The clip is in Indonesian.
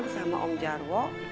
sama om jarwo